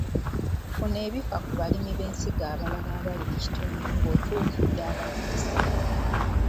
Funa ebifa ku balimi b’ensigo abalala abali mu kitundu ng’otuukirira abalimisa.